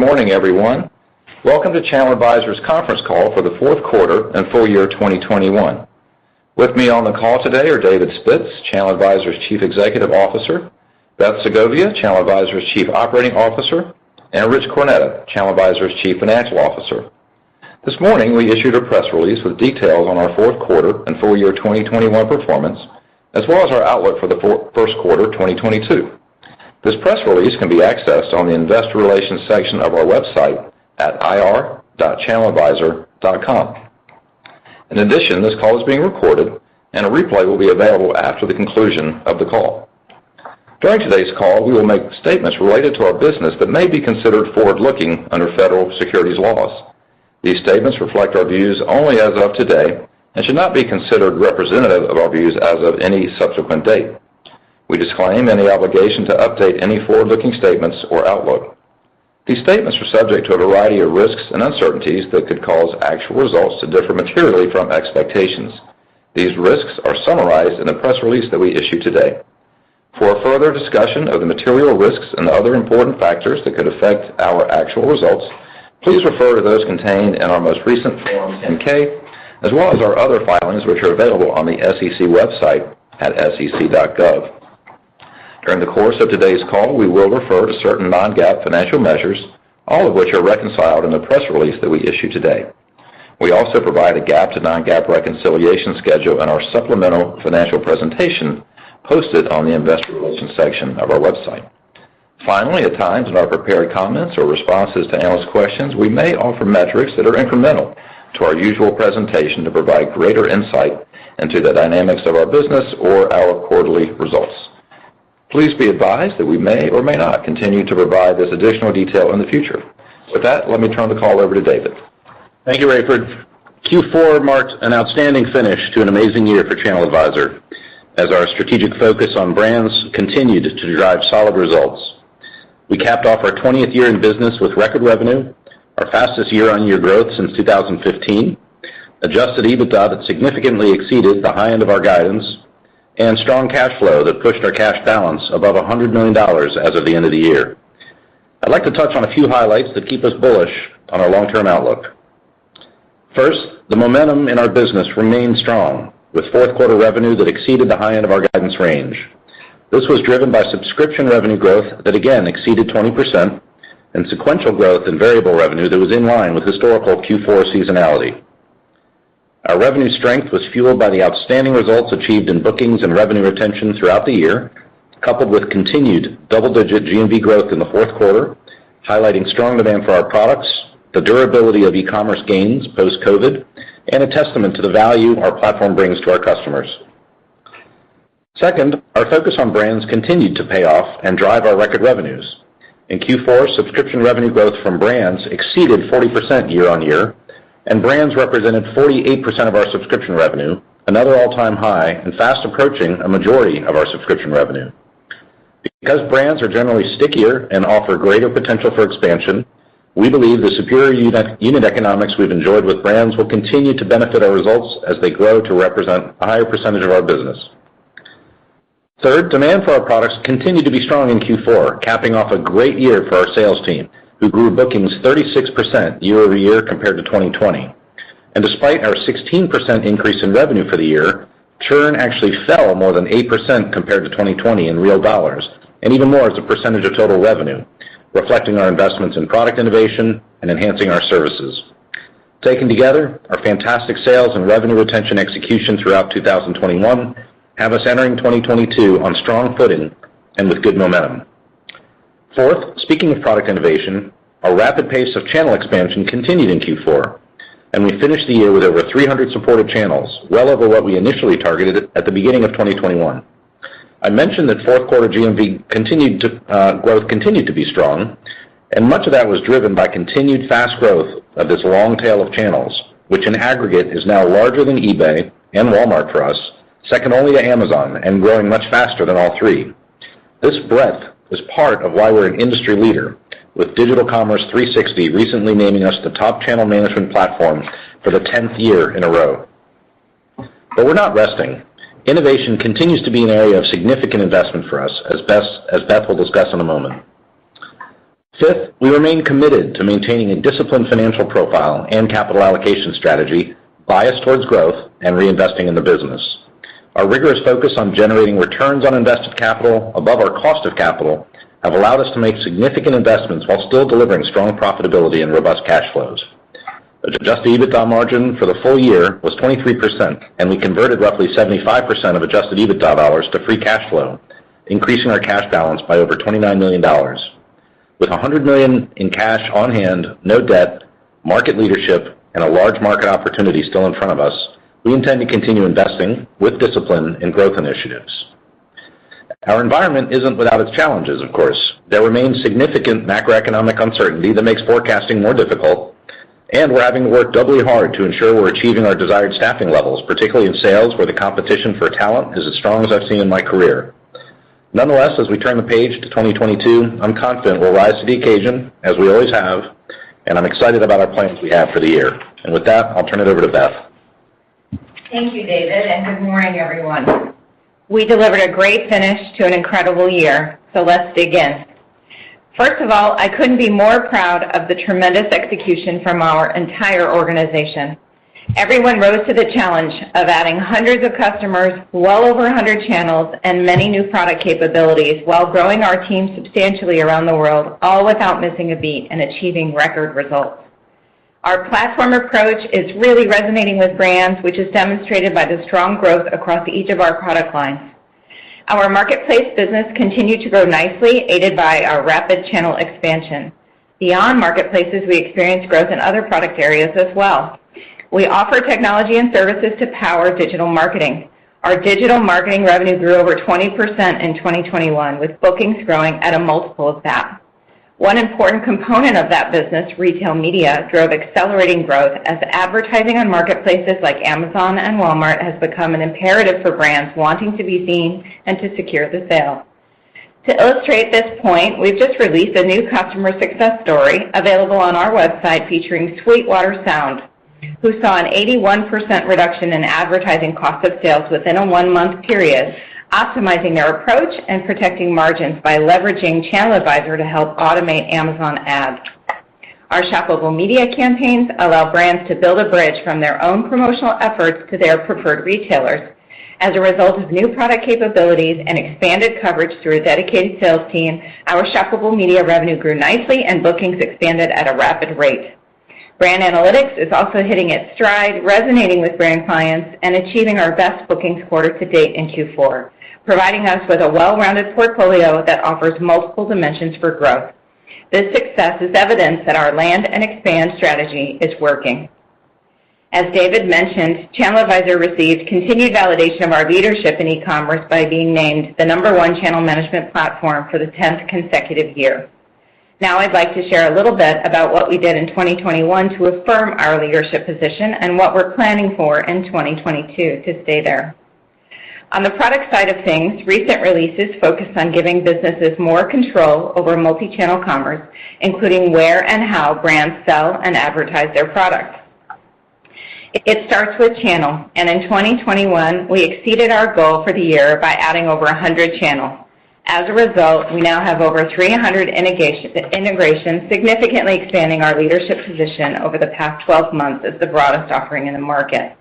Good morning, everyone. Welcome to ChannelAdvisor's conference call for the fourth quarter and full year 2021. With me on the call today are David Spitz, ChannelAdvisor's Chief Executive Officer; Beth Segovia, ChannelAdvisor's Chief Operating Officer; and Rich Cornetta, ChannelAdvisor's Chief Financial Officer. This morning, we issued a press release with details on our fourth quarter and full year 2021 performance, as well as our outlook for the first quarter 2022. This press release can be accessed on the investor relations section of our website at ir.channeladvisor.com. In addition, this call is being recorded, and a replay will be available after the conclusion of the call. During today's call, we will make statements related to our business that may be considered forward-looking under federal securities laws. These statements reflect our views only as of today and should not be considered representative of our views as of any subsequent date. We disclaim any obligation to update any forward-looking statements or outlook. These statements are subject to a variety of risks and uncertainties that could cause actual results to differ materially from expectations. These risks are summarized in the press release that we issued today. For a further discussion of the material risks and other important factors that could affect our actual results, please refer to those contained in our most recent Form 10-K, as well as our other filings, which are available on the SEC website at sec.gov. During the course of today's call, we will refer to certain non-GAAP financial measures, all of which are reconciled in the press release that we issued today. We also provide a GAAP to non-GAAP reconciliation schedule in our supplemental financial presentation posted on the investor relations section of our website. Finally, at times in our prepared comments or responses to analyst questions, we may offer metrics that are incremental to our usual presentation to provide greater insight into the dynamics of our business or our quarterly results. Please be advised that we may or may not continue to provide this additional detail in the future. With that, let me turn the call over to David. Thank you, Raiford. Q4 marked an outstanding finish to an amazing year for ChannelAdvisor as our strategic focus on brands continued to drive solid results. We capped off our 20th year in business with record revenue, our fastest year-on-year growth since 2015, adjusted EBITDA that significantly exceeded the high end of our guidance, and strong cash flow that pushed our cash balance above $100 million as of the end of the year. I'd like to touch on a few highlights that keep us bullish on our long-term outlook. First, the momentum in our business remained strong, with fourth quarter revenue that exceeded the high end of our guidance range. This was driven by subscription revenue growth that again exceeded 20% and sequential growth in variable revenue that was in line with historical Q4 seasonality. Our revenue strength was fueled by the outstanding results achieved in bookings and revenue retention throughout the year, coupled with continued double-digit GMV growth in the fourth quarter, highlighting strong demand for our products, the durability of e-commerce gains post-COVID, and a testament to the value our platform brings to our customers. Second, our focus on brands continued to pay off and drive our record revenues. In Q4, subscription revenue growth from brands exceeded 40% year-over-year, and brands represented 48% of our subscription revenue, another all-time high and fast approaching a majority of our subscription revenue. Because brands are generally stickier and offer greater potential for expansion, we believe the superior unit economics we've enjoyed with brands will continue to benefit our results as they grow to represent a higher percentage of our business. Third, demand for our products continued to be strong in Q4, capping off a great year for our sales team, who grew bookings 36% year-over-year compared to 2020. Despite our 16% increase in revenue for the year, churn actually fell more than 8% compared to 2020 in real dollars, and even more as a percentage of total revenue, reflecting our investments in product innovation and enhancing our services. Taken together, our fantastic sales and revenue retention execution throughout 2021 have us entering 2022 on strong footing and with good momentum. Fourth, speaking of product innovation, our rapid pace of channel expansion continued in Q4, and we finished the year with over 300 supported channels, well over what we initially targeted at the beginning of 2021. I mentioned that fourth quarter GMV growth continued to be strong, and much of that was driven by continued fast growth of this long tail of channels, which in aggregate is now larger than eBay and Walmart for us, second only to Amazon, and growing much faster than all three. This breadth is part of why we're an industry leader, with Digital Commerce 360 recently naming us the top channel management platform for the tenth year in a row. We're not resting. Innovation continues to be an area of significant investment for us, as Beth will discuss in a moment. Fifth, we remain committed to maintaining a disciplined financial profile and capital allocation strategy biased towards growth and reinvesting in the business. Our rigorous focus on generating returns on invested capital above our cost of capital have allowed us to make significant investments while still delivering strong profitability and robust cash flows. Adjusted EBITDA margin for the full year was 23%, and we converted roughly 75% of adjusted EBITDA dollars to free cash flow, increasing our cash balance by over $29 million. With $100 million in cash on hand, no debt, market leadership, and a large market opportunity still in front of us, we intend to continue investing with discipline in growth initiatives. Our environment isn't without its challenges, of course. There remains significant macroeconomic uncertainty that makes forecasting more difficult, and we're having to work doubly hard to ensure we're achieving our desired staffing levels, particularly in sales, where the competition for talent is as strong as I've seen in my career. Nonetheless, as we turn the page to 2022, I'm confident we'll rise to the occasion as we always have, and I'm excited about our plans we have for the year. With that, I'll turn it over to Beth. Thank you, David, and good morning, everyone. We delivered a great finish to an incredible year. Let's dig in. First of all, I couldn't be more proud of the tremendous execution from our entire organization. Everyone rose to the challenge of adding hundreds of customers, well over 100 channels, and many new product capabilities while growing our team substantially around the world, all without missing a beat and achieving record results. Our platform approach is really resonating with brands, which is demonstrated by the strong growth across each of our product lines. Our marketplace business continued to grow nicely, aided by our rapid channel expansion. Beyond marketplaces, we experienced growth in other product areas as well. We offer technology and services to power digital marketing. Our digital marketing revenue grew over 20% in 2021, with bookings growing at a multiple of that. One important component of that business, Retail Media, drove accelerating growth as advertising on marketplaces like Amazon and Walmart has become an imperative for brands wanting to be seen and to secure the sale. To illustrate this point, we've just released a new customer success story available on our website featuring Sweetwater Sound, who saw an 81% reduction in advertising cost of sales within a one-month period, optimizing their approach and protecting margins by leveraging ChannelAdvisor to help automate Amazon ads. Our Shoppable Media campaigns allow brands to build a bridge from their own promotional efforts to their preferred retailers. As a result of new product capabilities and expanded coverage through a dedicated sales team, our Shoppable Media revenue grew nicely and bookings expanded at a rapid rate. Brand Analytics is also hitting its stride, resonating with brand clients and achieving our best bookings quarter to date in Q4, providing us with a well-rounded portfolio that offers multiple dimensions for growth. This success is evidence that our land and expand strategy is working. As David mentioned, ChannelAdvisor received continued validation of our leadership in e-commerce by being named the number one channel management platform for the 10th consecutive year. Now I'd like to share a little bit about what we did in 2021 to affirm our leadership position and what we're planning for in 2022 to stay there. On the product side of things, recent releases focused on giving businesses more control over multi-channel commerce, including where and how brands sell and advertise their products. It starts with channel, and in 2021, we exceeded our goal for the year by adding over 100 channels. As a result, we now have over 300 integrations, significantly expanding our leadership position over the past 12 months as the broadest offering in the market.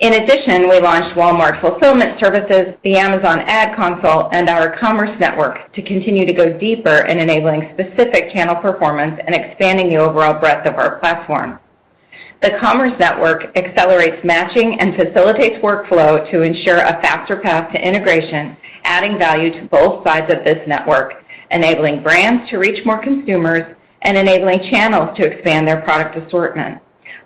In addition, we launched Walmart Fulfillment Services, the Amazon Ad Console, and our Commerce Network to continue to go deeper in enabling specific channel performance and expanding the overall breadth of our platform. The Commerce Network accelerates matching and facilitates workflow to ensure a faster path to integration, adding value to both sides of this network, enabling brands to reach more consumers and enabling channels to expand their product assortment.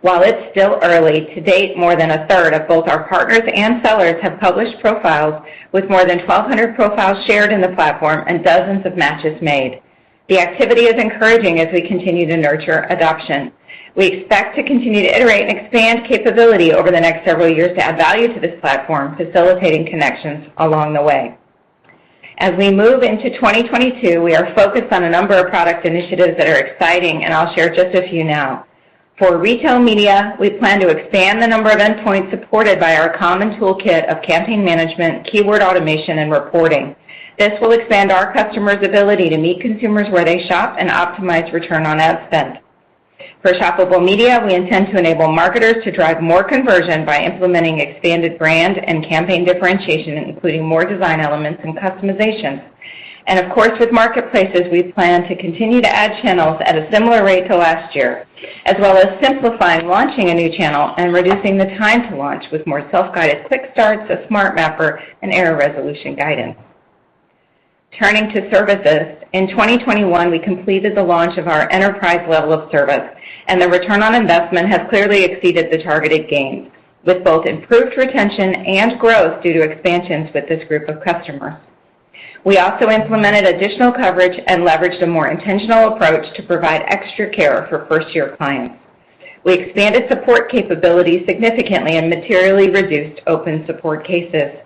While it's still early, to date, more than a third of both our partners and sellers have published profiles with more than 1,200 profiles shared in the platform and dozens of matches made. The activity is encouraging as we continue to nurture adoption. We expect to continue to iterate and expand capability over the next several years to add value to this platform, facilitating connections along the way. As we move into 2022, we are focused on a number of product initiatives that are exciting, and I'll share just a few now. For Retail Media, we plan to expand the number of endpoints supported by our common toolkit of campaign management, keyword automation, and reporting. This will expand our customers' ability to meet consumers where they shop and optimize return on ad spend. For Shoppable Media, we intend to enable marketers to drive more conversion by implementing expanded brand and campaign differentiation, including more design elements and customization. Of course, with marketplaces, we plan to continue to add channels at a similar rate to last year, as well as simplifying launching a new channel and reducing the time to launch with more self-guided quick starts, a smart mapper, and error resolution guidance. Turning to services, in 2021, we completed the launch of our enterprise level of service, and the return on investment has clearly exceeded the targeted gains, with both improved retention and growth due to expansions with this group of customers. We also implemented additional coverage and leveraged a more intentional approach to provide extra care for first-year clients. We expanded support capabilities significantly and materially reduced open support cases.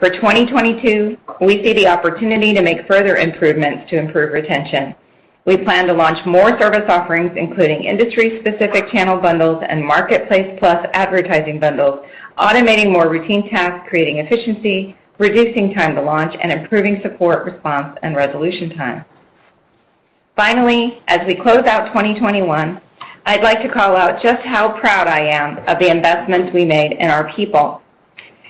For 2022, we see the opportunity to make further improvements to improve retention. We plan to launch more service offerings, including industry-specific channel bundles and Marketplace Plus advertising bundles, automating more routine tasks, creating efficiency, reducing time to launch, and improving support response and resolution time. Finally, as we close out 2021, I'd like to call out just how proud I am of the investments we made in our people.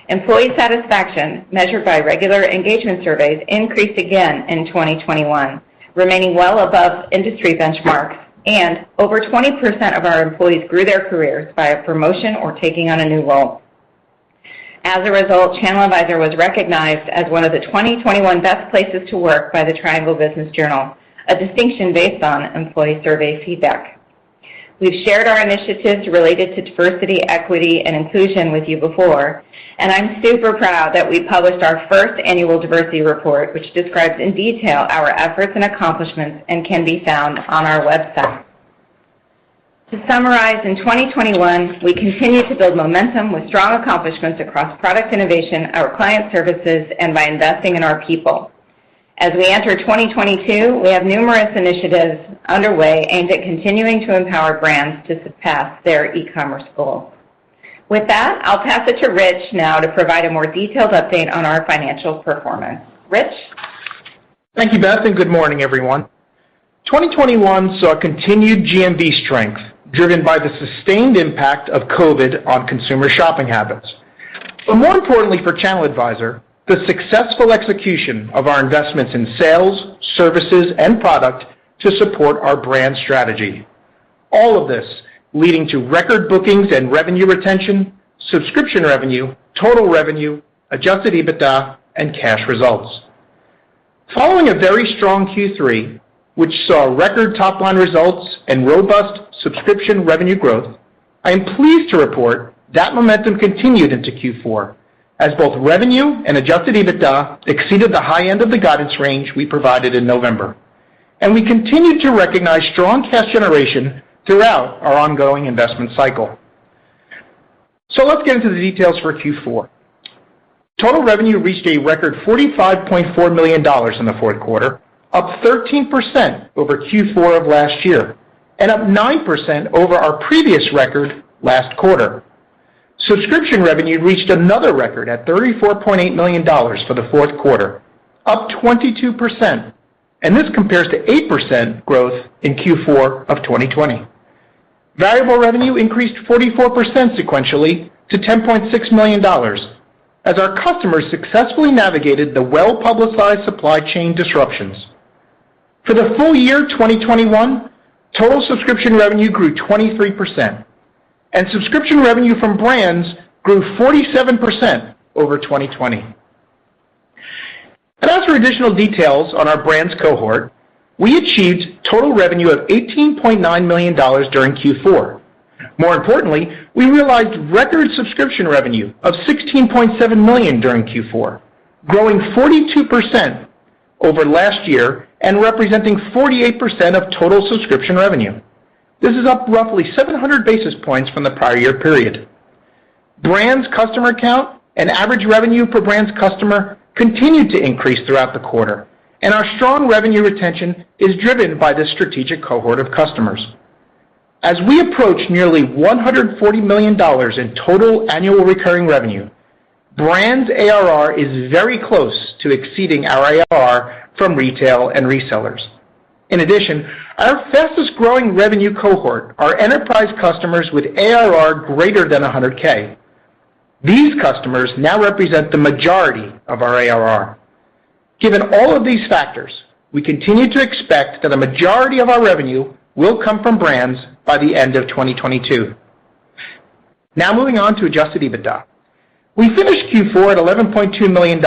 Employee satisfaction, measured by regular engagement surveys, increased again in 2021, remaining well above industry benchmarks, and over 20% of our employees grew their careers by a promotion or taking on a new role. As a result, ChannelAdvisor was recognized as one of the 2021 Best Places to Work by the Triangle Business Journal, a distinction based on employee survey feedback. We've shared our initiatives related to diversity, equity, and inclusion with you before, and I'm super proud that we published our first annual diversity report, which describes in detail our efforts and accomplishments and can be found on our website. To summarize, in 2021, we continued to build momentum with strong accomplishments across product innovation, our client services, and by investing in our people. As we enter 2022, we have numerous initiatives underway aimed at continuing to empower brands to surpass their e-commerce goals. With that, I'll pass it to Rich now to provide a more detailed update on our financial performance. Rich? Thank you, Beth, and good morning, everyone. 2021 saw continued GMV strength, driven by the sustained impact of COVID on consumer shopping habits. But more importantly for ChannelAdvisor, the successful execution of our investments in sales, services, and product to support our brand strategy, all of this leading to record bookings and revenue retention, subscription revenue, total revenue, adjusted EBITDA, and cash results. Following a very strong Q3, which saw record top-line results and robust subscription revenue growth, I am pleased to report that momentum continued into Q4, as both revenue and adjusted EBITDA exceeded the high end of the guidance range we provided in November. We continued to recognize strong cash generation throughout our ongoing investment cycle. Let's get into the details for Q4. Total revenue reached a record $45.4 million in the fourth quarter, up 13% over Q4 of last year, and up 9% over our previous record last quarter. Subscription revenue reached another record at $34.8 million for the fourth quarter, up 22%, and this compares to 8% growth in Q4 of 2020. Variable revenue increased 44% sequentially to $10.6 million as our customers successfully navigated the well-publicized supply chain disruptions. For the full year 2021, total subscription revenue grew 23%, and subscription revenue from brands grew 47% over 2020. As for additional details on our brands cohort, we achieved total revenue of $18.9 million during Q4. More importantly, we realized record subscription revenue of $16.7 million during Q4, growing 42% over last year and representing 48% of total subscription revenue. This is up roughly 700 basis points from the prior year period. Brands customer count and average revenue per Brands customer continued to increase throughout the quarter, and our strong revenue retention is driven by this strategic cohort of customers. As we approach nearly $140 million in total annual recurring revenue, Brands ARR is very close to exceeding our ARR from Retail and resellers. In addition, our fastest-growing revenue cohort are enterprise customers with ARR greater than $100K. These customers now represent the majority of our ARR. Given all of these factors, we continue to expect that a majority of our revenue will come from Brands by the end of 2022. Now moving on to adjusted EBITDA. We finished Q4 at $11.2 million,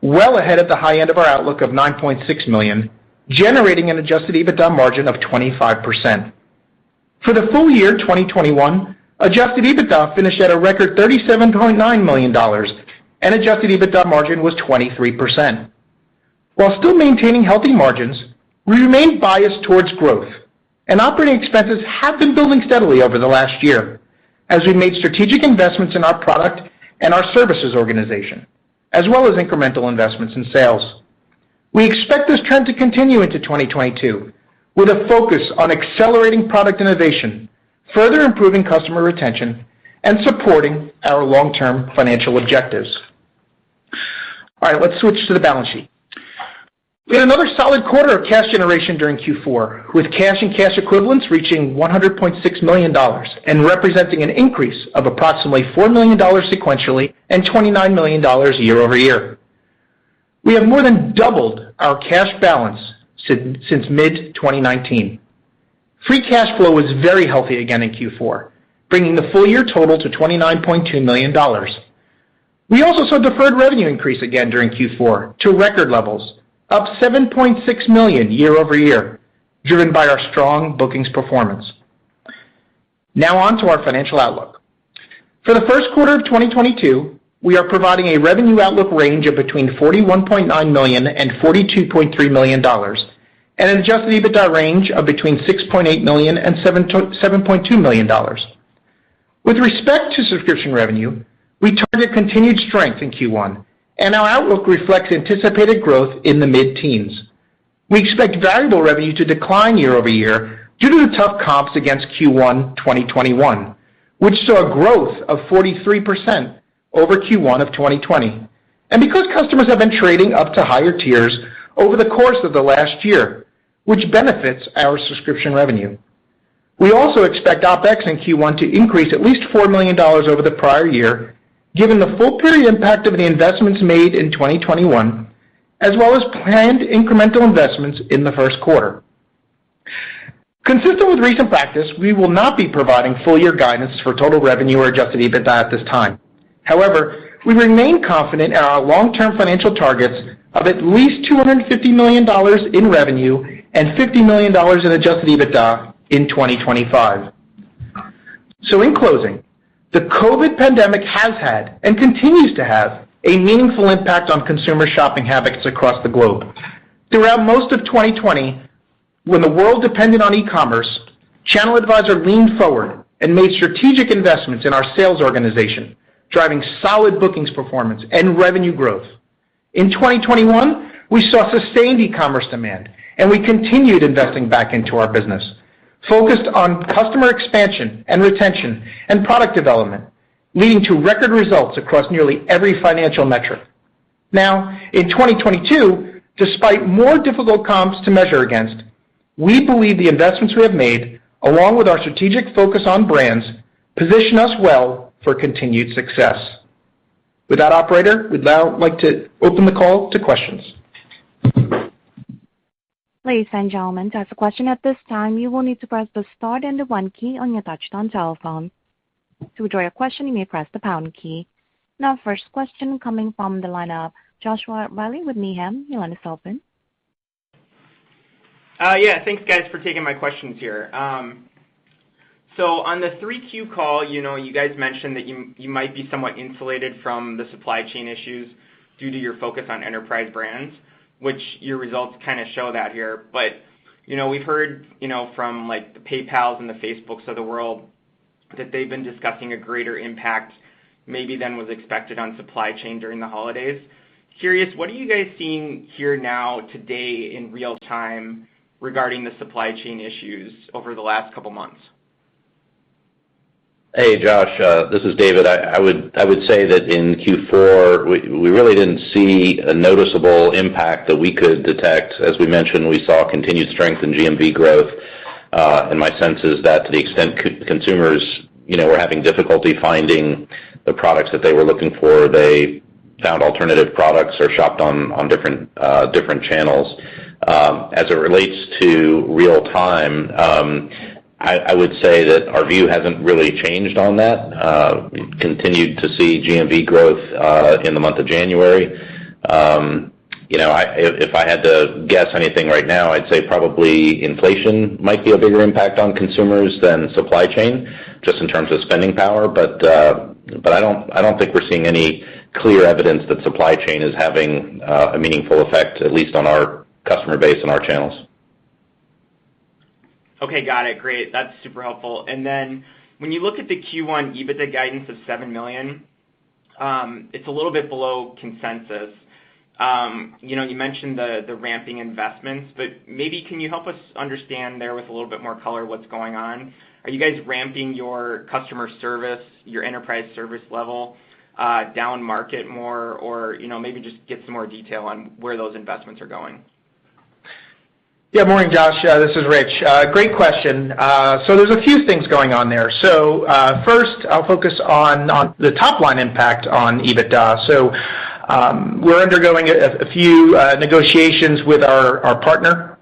well ahead of the high end of our outlook of $9.6 million, generating an adjusted EBITDA margin of 25%. For the full year 2021, adjusted EBITDA finished at a record $37.9 million, and adjusted EBITDA margin was 23%. While still maintaining healthy margins, we remain biased towards growth, and operating expenses have been building steadily over the last year as we made strategic investments in our product and our services organization, as well as incremental investments in sales. We expect this trend to continue into 2022, with a focus on accelerating product innovation, further improving customer retention, and supporting our long-term financial objectives. All right, let's switch to the balance sheet. We had another solid quarter of cash generation during Q4, with cash and cash equivalents reaching $100.6 million and representing an increase of approximately $4 million sequentially and $29 million year-over-year. We have more than doubled our cash balance since mid-2019. Free cash flow was very healthy again in Q4, bringing the full-year total to $29.2 million. We also saw deferred revenue increase again during Q4 to record levels, up $7.6 million year-over-year, driven by our strong bookings performance. Now on to our financial outlook. For the first quarter of 2022, we are providing a revenue outlook range of between $41.9 million and $42.3 million and an adjusted EBITDA range of between $6.8 million and $7.2 million. With respect to subscription revenue, we target continued strength in Q1, and our outlook reflects anticipated growth in the mid-teens. We expect variable revenue to decline year-over-year due to the tough comps against Q1 2021, which saw a growth of 43% over Q1 of 2020, and because customers have been trading up to higher tiers over the course of the last year, which benefits our subscription revenue. We also expect OpEx in Q1 to increase at least $4 million over the prior year, given the full period impact of the investments made in 2021, as well as planned incremental investments in the first quarter. Consistent with recent practice, we will not be providing full year guidance for total revenue or adjusted EBITDA at this time. However, we remain confident in our long-term financial targets of at least $250 million in revenue and $50 million in adjusted EBITDA in 2025. In closing, the COVID pandemic has had, and continues to have, a meaningful impact on consumer shopping habits across the globe. Throughout most of 2020- When the world depended on e-commerce, ChannelAdvisor leaned forward and made strategic investments in our sales organization, driving solid bookings performance and revenue growth. In 2021, we saw sustained e-commerce demand, and we continued investing back into our business, focused on customer expansion and retention and product development, leading to record results across nearly every financial metric. Now, in 2022, despite more difficult comps to measure against, we believe the investments we have made, along with our strategic focus on brands, position us well for continued success. With that, operator, we'd now like to open the call to questions. Ladies and gentlemen, to ask a question at this time, you will need to press the star then the one key on your touchtone telephone. To withdraw your question, you may press the pound key. Now first question coming from the line of Joshua Reilly with Needham. Your line is open. Yeah, thanks guys for taking my questions here. On the 3Q call, you know, you guys mentioned that you might be somewhat insulated from the supply chain issues due to your focus on enterprise brands, which your results kinda show that here. You know, we've heard, you know, from like the PayPal and the Facebook of the world that they've been discussing a greater impact maybe than was expected on supply chain during the holidays. Curious, what are you guys seeing here now today in real time regarding the supply chain issues over the last couple months? Hey, Josh, this is David. I would say that in Q4, we really didn't see a noticeable impact that we could detect. As we mentioned, we saw continued strength in GMV growth. My sense is that to the extent consumers, you know, were having difficulty finding the products that they were looking for, they found alternative products or shopped on different channels. As it relates to retail, I would say that our view hasn't really changed on that. We continued to see GMV growth in the month of January. You know, if I had to guess anything right now, I'd say probably inflation might be a bigger impact on consumers than supply chain, just in terms of spending power. I don't think we're seeing any clear evidence that supply chain is having a meaningful effect, at least on our customer base and our channels. Okay. Got it. Great. That's super helpful. Then when you look at the Q1 EBITDA guidance of $7 million, it's a little bit below consensus. You know, you mentioned the ramping investments, maybe can you help us understand there with a little bit more color what's going on? Are you guys ramping your customer service, your enterprise service level, down market more? Or, you know, maybe just give some more detail on where those investments are going. Morning, Josh. This is Rich. Great question. First, I'll focus on the top line impact on EBITDA. We're undergoing a few negotiations with our partner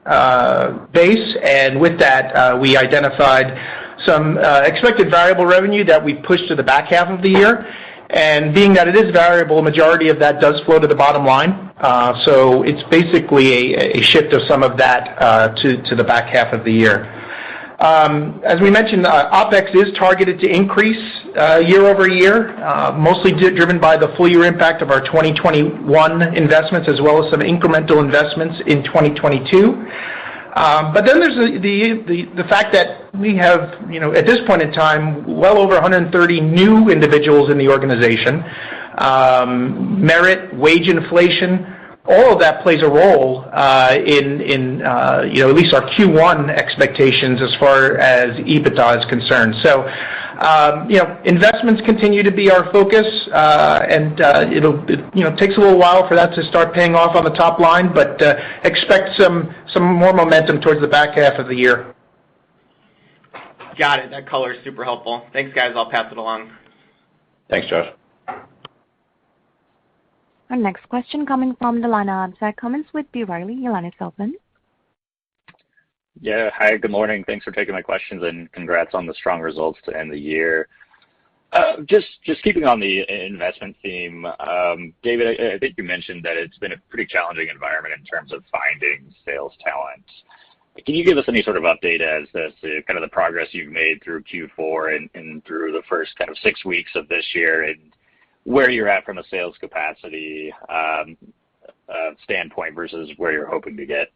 base. With that, we identified some expected variable revenue that we pushed to the back half of the year. Being that it is variable, majority of that does flow to the bottom line. It's basically a shift of some of that to the back half of the year. As we mentioned, OpEx is targeted to increase year-over-year, mostly driven by the full year impact of our 2021 investments as well as some incremental investments in 2022. There's the fact that we have, you know, at this point in time, well over 130 new individuals in the organization, merit, wage inflation, all of that plays a role in, you know, at least our Q1 expectations as far as EBITDA is concerned. You know, investments continue to be our focus, and it'll, you know, takes a little while for that to start paying off on the top line. Expect some more momentum towards the back half of the year. Got it. That color is super helpful. Thanks, guys. I'll pass it along. Thanks, Josh. Our next question coming from the line of Zach Cummins with B. Riley. Your line is open. Yeah. Hi, good morning. Thanks for taking my questions and congrats on the strong results to end the year. Just keeping on the investment theme, David, I think you mentioned that it's been a pretty challenging environment in terms of finding sales talent. Can you give us any sort of update as to kind of the progress you've made through Q4 and through the first kind of six weeks of this year and where you're at from a sales capacity standpoint versus where you're hoping to get?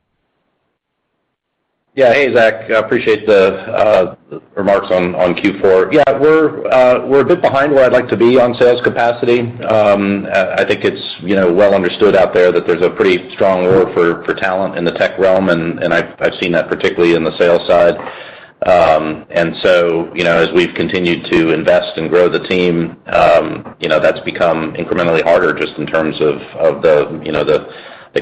Yeah. Hey, Zach. I appreciate the remarks on Q4. Yeah, we're a bit behind where I'd like to be on sales capacity. I think it's, you know, well understood out there that there's a pretty strong war for talent in the tech realm, and I've seen that particularly in the sales side. You know, as we've continued to invest and grow the team, you know, that's become incrementally harder just in terms of the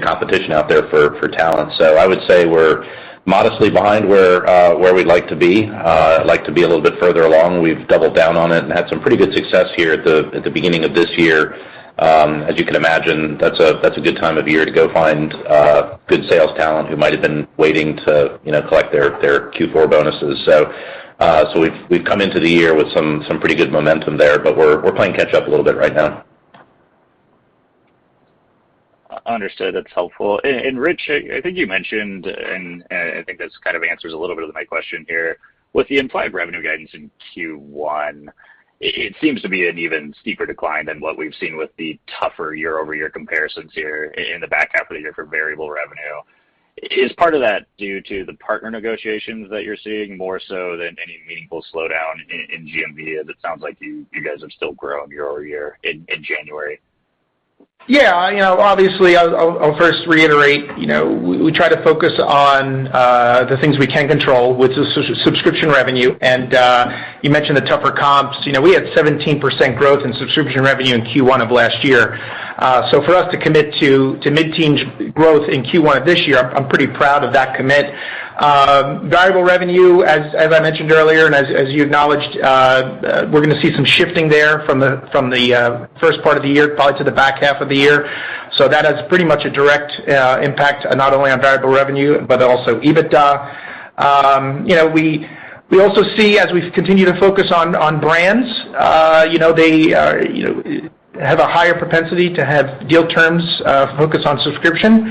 competition out there for talent. I would say we're modestly behind where we'd like to be. I'd like to be a little bit further along. We've doubled down on it and had some pretty good success here at the beginning of this year. As you can imagine, that's a good time of year to go find good sales talent who might've been waiting to, you know, collect their Q4 bonuses. We've come into the year with some pretty good momentum there, but we're playing catch up a little bit right now. Understood. That's helpful. Rich, I think you mentioned, and I think this kind of answers a little bit of my question here, with the implied revenue guidance in Q1, it seems to be an even steeper decline than what we've seen with the tougher year-over-year comparisons here in the back half of the year for variable revenue. Is part of that due to the partner negotiations that you're seeing more so than any meaningful slowdown in GMV? As it sounds like you guys have still grown year-over-year in January. Yeah. You know, obviously, I'll first reiterate, you know, we try to focus on the things we can control, which is subscription revenue. You mentioned the tougher comps. You know, we had 17% growth in subscription revenue in Q1 of last year. For us to commit to mid-teen growth in Q1 of this year, I'm pretty proud of that commit. Variable revenue, as I mentioned earlier and as you acknowledged, we're gonna see some shifting there from the first part of the year probably to the back half of the year. That has pretty much a direct impact not only on variable revenue, but also EBITDA. You know, we also see, as we continue to focus on brands, you know, they have a higher propensity to have deal terms focus on subscription.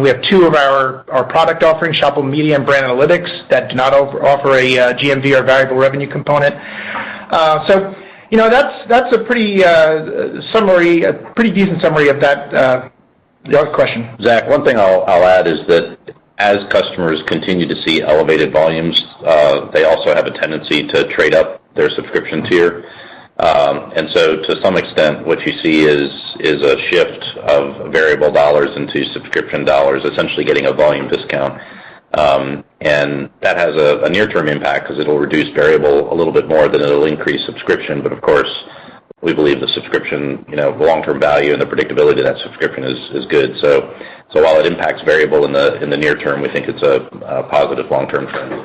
We have two of our product offerings, Shoppable Media and Brand Analytics, that do not offer a GMV or variable revenue component. You know, that's a pretty summary, a pretty decent summary of that question. Zach, one thing I'll add is that as customers continue to see elevated volumes, they also have a tendency to trade up their subscription tier. To some extent, what you see is a shift of variable dollars into subscription dollars, essentially getting a volume discount. That has a near-term impact 'cause it'll reduce variable a little bit more than it'll increase subscription. Of course, we believe the subscription, you know, the long-term value and the predictability of that subscription is good. While it impacts variable in the near term, we think it's a positive long-term trend.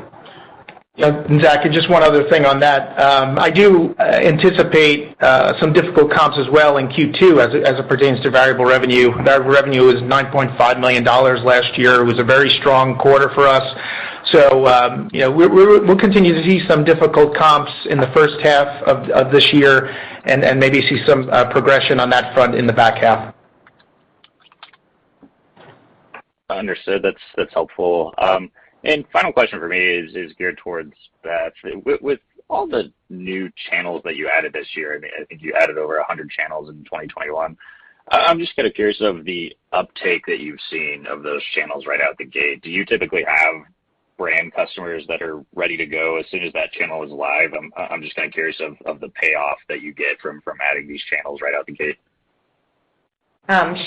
Yeah. Zach, just one other thing on that. I do anticipate some difficult comps as well in Q2 as it pertains to variable revenue. Variable revenue was $9.5 million last year. It was a very strong quarter for us. You know, we'll continue to see some difficult comps in the first half of this year and maybe see some progression on that front in the back half. Understood. That's helpful. Final question from me is geared towards that. With all the new channels that you added this year, I mean, I think you added over 100 channels in 2021. I'm just kinda curious of the uptake that you've seen of those channels right out the gate. Do you typically have brand customers that are ready to go as soon as that channel is live? I'm just kinda curious of the payoff that you get from adding these channels right out the gate.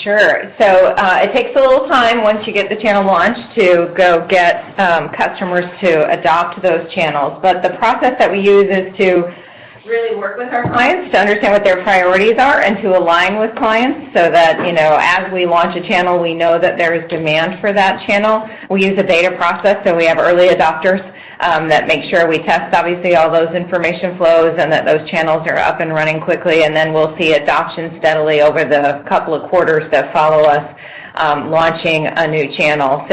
Sure. It takes a little time once you get the channel launched to go get customers to adopt those channels. The process that we use is to really work with our clients to understand what their priorities are and to align with clients so that, you know, as we launch a channel, we know that there is demand for that channel. We use a beta process, so we have early adopters that make sure we test, obviously, all those information flows and that those channels are up and running quickly. Then we'll see adoption steadily over the couple of quarters that follow us launching a new channel.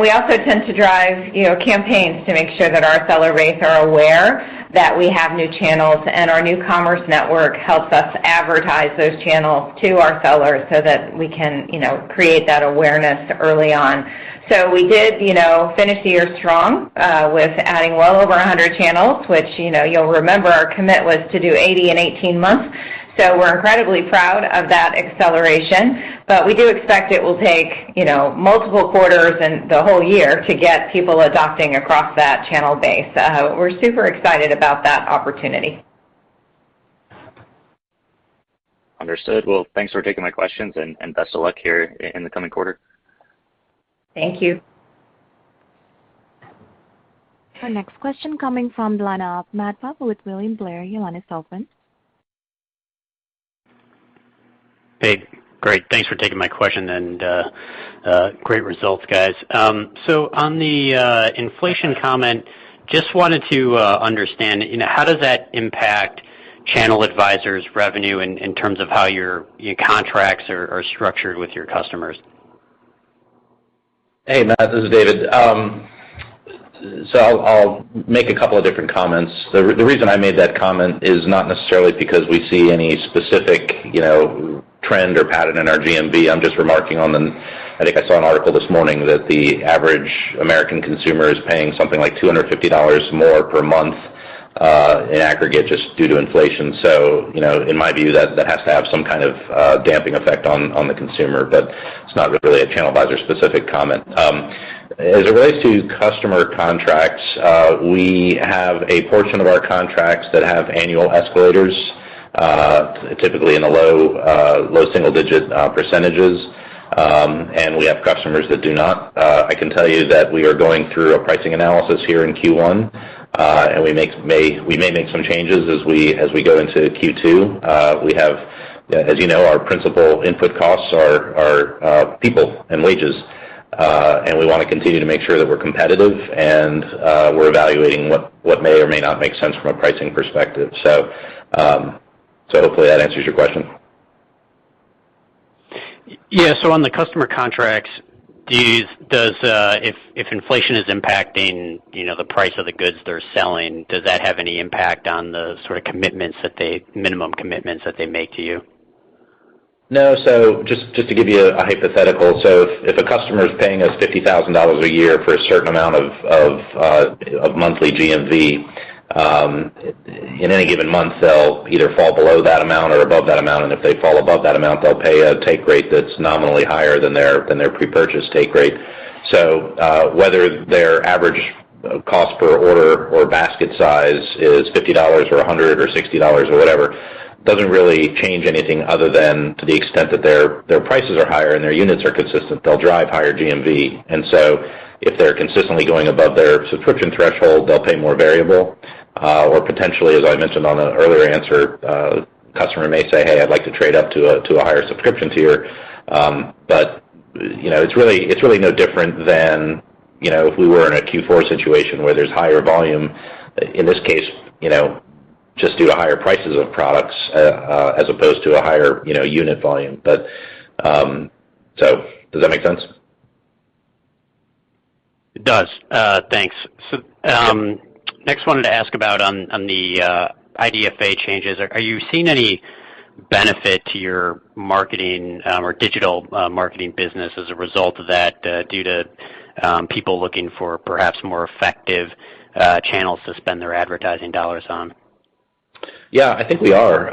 we also tend to drive, you know, campaigns to make sure that our seller base are aware that we have new channels, and our Commerce Network helps us advertise those channels to our sellers so that we can, you know, create that awareness early on. we did, you know, finish the year strong, with adding well over 100 channels, which, you know, you'll remember our commit was to do 80 channels in 18 months. we're incredibly proud of that acceleration. We do expect it will take, you know, multiple quarters and the whole year to get people adopting across that channel base. we're super excited about that opportunity. Understood. Well, thanks for taking my questions, and best of luck here in the coming quarter. Thank you. Our next question coming from the line of Matt Pfau with William Blair. Your line is open. Hey. Great. Thanks for taking my question, and great results, guys. On the inflation comment, just wanted to understand, you know, how does that impact ChannelAdvisor's revenue in terms of how your contracts are structured with your customers? Hey, Matt. This is David. I'll make a couple of different comments. The reason I made that comment is not necessarily because we see any specific, you know, trend or pattern in our GMV. I'm just remarking on I think I saw an article this morning that the average American consumer is paying something like $250 more per month in aggregate just due to inflation. You know, in my view, that has to have some kind of damping effect on the consumer. It's not really a ChannelAdvisor specific comment. As it relates to customer contracts, we have a portion of our contracts that have annual escalators, typically in the low single-digit percentages, and we have customers that do not. I can tell you that we are going through a pricing analysis here in Q1, and we may make some changes as we go into Q2. We have, as you know, our principal input costs are people and wages, and we wanna continue to make sure that we're competitive, and we're evaluating what may or may not make sense from a pricing perspective. Hopefully that answers your question. Yeah. On the customer contracts, if inflation is impacting, you know, the price of the goods they're selling, does that have any impact on the sort of commitments that they, minimum commitments that they make to you? No. Just to give you a hypothetical. If a customer is paying us $50,000 a year for a certain amount of monthly GMV, in any given month, they'll either fall below that amount or above that amount, and if they fall above that amount, they'll pay a take rate that's nominally higher than their pre-purchase take rate. Whether their average cost per order or basket size is $50 or $100 or $60 or whatever, doesn't really change anything other than to the extent that their prices are higher and their units are consistent, they'll drive higher GMV. If they're consistently going above their subscription threshold, they'll pay more variable, or potentially, as I mentioned on an earlier answer, customer may say, "Hey, I'd like to trade up to a higher subscription tier." You know, it's really no different than, you know, if we were in a Q4 situation where there's higher volume. In this case, you know, just due to higher prices of products, as opposed to a higher, you know, unit volume. Does that make sense? It does. Thanks. Yeah. Next, I wanted to ask about the IDFA changes. Are you seeing any benefit to your marketing or digital marketing business as a result of that, due to people looking for perhaps more effective channels to spend their advertising dollars on? Yeah. I think we are.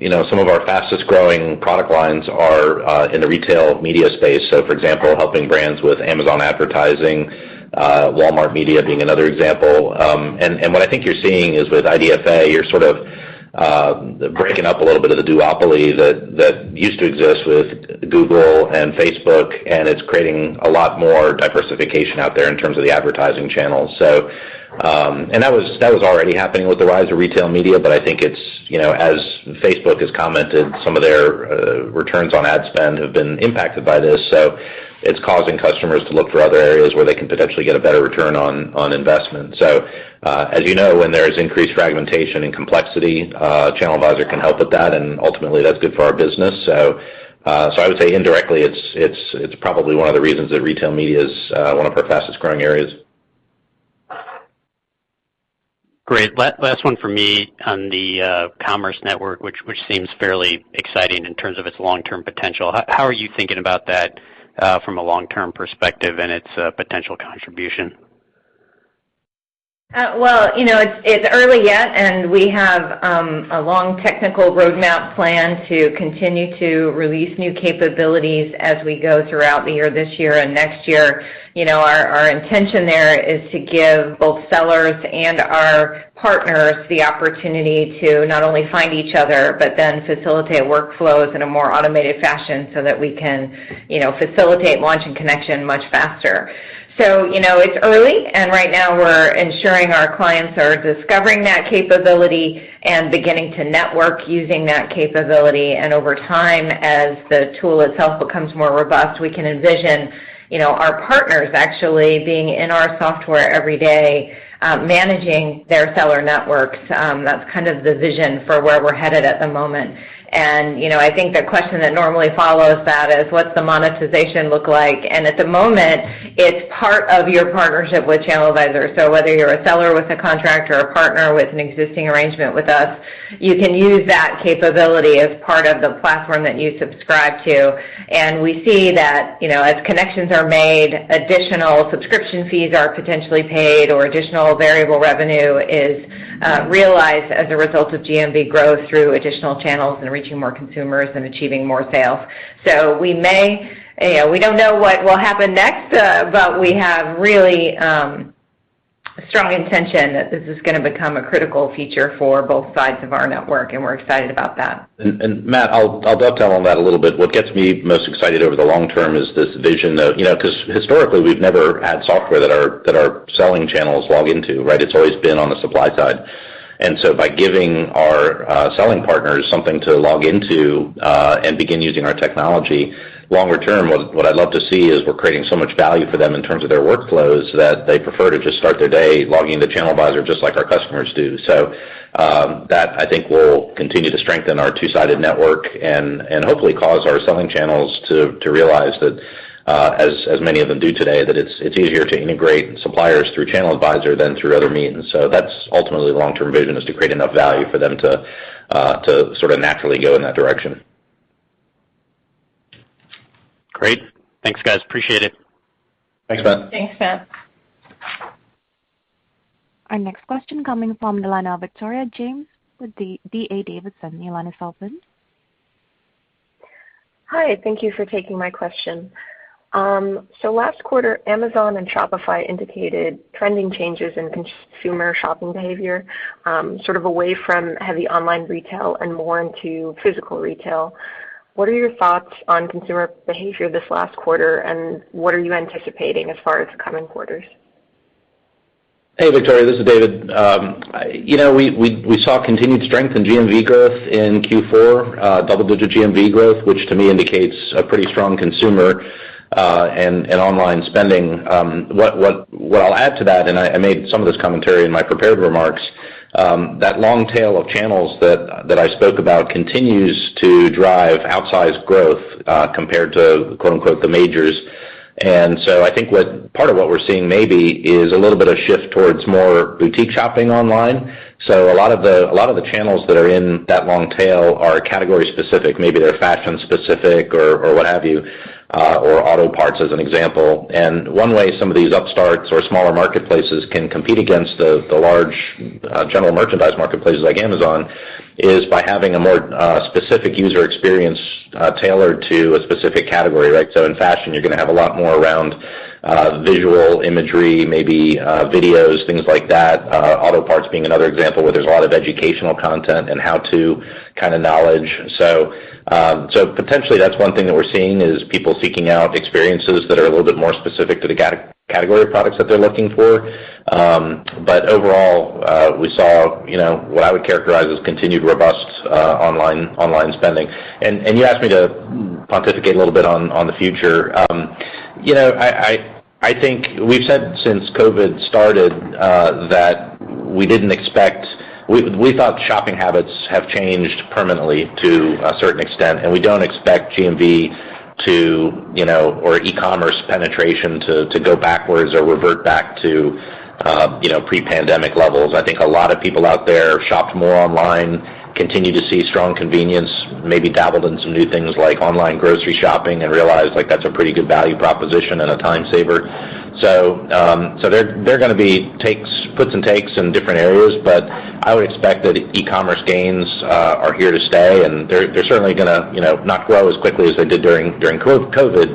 You know, some of our fastest-growing product lines are in the Retail Media space. For example, helping brands with Amazon advertising, Walmart media being another example. What I think you're seeing is with IDFA, you're sort of breaking up a little bit of the duopoly that used to exist with Google and Facebook, and it's creating a lot more diversification out there in terms of the advertising channels. That was already happening with the rise of Retail Media, but I think it's, you know, as Facebook has commented, some of their returns on ad spend have been impacted by this. It's causing customers to look for other areas where they can potentially get a better return on investment. As you know, when there's increased fragmentation and complexity, ChannelAdvisor can help with that, and ultimately, that's good for our business. I would say indirectly, it's probably one of the reasons that Retail Media is one of our fastest-growing areas. Great. Last one for me on the Commerce Network, which seems fairly exciting in terms of its long-term potential. How are you thinking about that from a long-term perspective and its potential contribution? Well, you know, it's early yet, and we have a long technical roadmap plan to continue to release new capabilities as we go throughout the year, this year and next year. You know, our intention there is to give both sellers and our partners the opportunity to not only find each other, but then facilitate workflows in a more automated fashion so that we can, you know, facilitate launch and connection much faster. You know, it's early, and right now we're ensuring our clients are discovering that capability and beginning to network using that capability. Over time, as the tool itself becomes more robust, we can envision, you know, our partners actually being in our software every day, managing their seller networks. That's kind of the vision for where we're headed at the moment. You know, I think the question that normally follows that is what's the monetization look like? At the moment, it's part of your partnership with ChannelAdvisor. Whether you're a seller with a contract or a partner with an existing arrangement with us, you can use that capability as part of the platform that you subscribe to. We see that, you know, as connections are made, additional subscription fees are potentially paid or additional variable revenue is realized as a result of GMV growth through additional channels and reaching more consumers and achieving more sales. You know, we don't know what will happen next, but we have really strong intention that this is gonna become a critical feature for both sides of our network, and we're excited about that. Matt, I'll dovetail on that a little bit. What gets me most excited over the long term is this vision of, you know, 'cause historically, we've never had software that our selling channels log into, right? It's always been on the supply side. By giving our selling partners something to log into and begin using our technology, longer term, what I'd love to see is we're creating so much value for them in terms of their workflows that they prefer to just start their day logging into ChannelAdvisor just like our customers do. That I think will continue to strengthen our two-sided network and hopefully cause our selling channels to realize that, as many of them do today, that it's easier to integrate suppliers through ChannelAdvisor than through other means. That's ultimately the long-term vision, is to create enough value for them to sort of naturally go in that direction. Great. Thanks, guys. Appreciate it. Thanks, Matt. Thanks, Matt. Our next question coming from Elena Victoria James with D.A. Davidson. Elena's open. Hi, thank you for taking my question. Last quarter, Amazon and Shopify indicated trending changes in consumer shopping behavior, sort of away from heavy online retail and more into physical retail. What are your thoughts on consumer behavior this last quarter, and what are you anticipating as far as the coming quarters? Hey, Victoria, this is David. You know, we saw continued strength in GMV growth in Q4, double-digit GMV growth, which to me indicates a pretty strong consumer and online spending. What I'll add to that, and I made some of this commentary in my prepared remarks, that long tail of channels that I spoke about continues to drive outsized growth, compared to, quote-unquote, "the majors." I think what part of what we're seeing maybe is a little bit of shift towards more boutique shopping online. A lot of the channels that are in that long tail are category specific. Maybe they're fashion specific or what have you, or auto parts, as an example. One way some of these upstarts or smaller marketplaces can compete against the large general merchandise marketplaces like Amazon is by having a more specific user experience tailored to a specific category, right? In fashion, you're gonna have a lot more around visual imagery, maybe videos, things like that, auto parts being another example where there's a lot of educational content and how-to kind of knowledge. Potentially, that's one thing that we're seeing is people seeking out experiences that are a little bit more specific to the category of products that they're looking for. But overall, we saw, you know, what I would characterize as continued robust online spending. You asked me to pontificate a little bit on the future. You know, I think we've said since COVID started that we thought shopping habits have changed permanently to a certain extent, and we don't expect GMV to, you know, or e-commerce penetration to go backwards or revert back to, you know, pre-pandemic levels. I think a lot of people out there shopped more online, continue to see strong convenience, maybe dabbled in some new things like online grocery shopping and realized, like, that's a pretty good value proposition and a time saver. There are gonna be puts and takes in different areas, but I would expect that e-commerce gains are here to stay, and they're certainly gonna, you know, not grow as quickly as they did during COVID.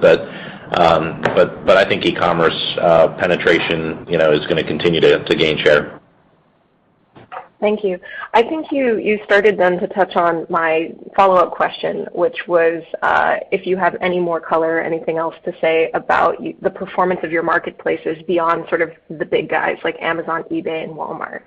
I think e-commerce penetration, you know, is gonna continue to gain share. Thank you. I think you started then to touch on my follow-up question, which was, if you have any more color, anything else to say about the performance of your marketplaces beyond sort of the big guys like Amazon, eBay, and Walmart.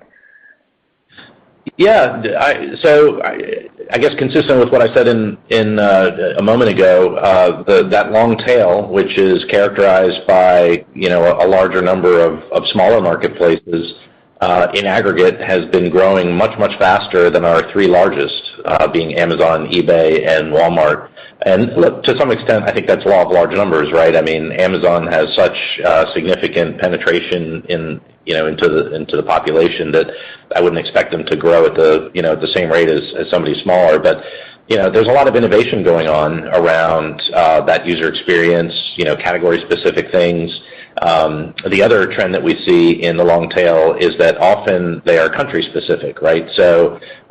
I guess consistent with what I said in a moment ago, that long tail, which is characterized by, you know, a larger number of smaller marketplaces, in aggregate, has been growing much faster than our three largest, being Amazon, eBay, and Walmart. To some extent, I think that's law of large numbers, right? I mean, Amazon has such significant penetration in, you know, into the population that I wouldn't expect them to grow at the, you know, at the same rate as somebody smaller. There's a lot of innovation going on around that user experience, you know, category-specific things. The other trend that we see in the long tail is that often they are country-specific, right?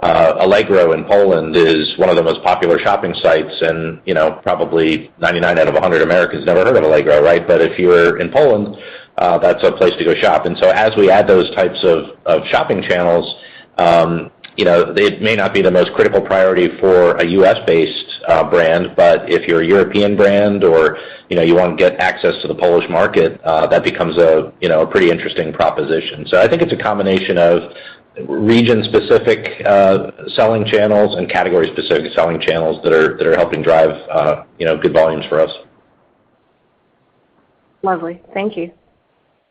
Allegro in Poland is one of the most popular shopping sites and, you know, probably 99 out of 100 Americans never heard of Allegro, right? If you're in Poland, that's a place to go shop. As we add those types of shopping channels, you know, it may not be the most critical priority for a U.S.-based brand, but if you're a European brand or, you know, you wanna get access to the Polish market, that becomes a, you know, a pretty interesting proposition. I think it's a combination of region-specific selling channels and category-specific selling channels that are helping drive, you know, good volumes for us. Lovely. Thank you.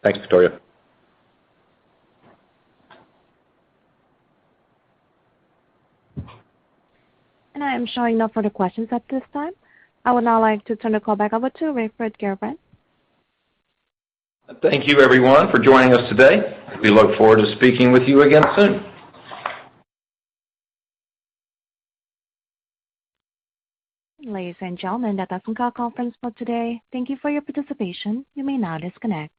Thanks, Victoria. I am showing no further questions at this time. I would now like to turn the call back over to Raiford Garrabrant. Thank you everyone for joining us today. We look forward to speaking with you again soon. Ladies and gentlemen, that does conclude our conference call today. Thank you for your participation. You may now disconnect.